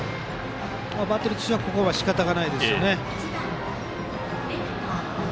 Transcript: バッテリーとしてはここは仕方ないですね。